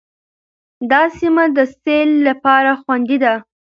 دا سیمه د سیل لپاره خوندي ده.